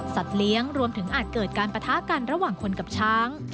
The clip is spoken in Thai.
เลี้ยงรวมถึงอาจเกิดการปะทะกันระหว่างคนกับช้าง